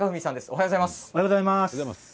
おはようございます。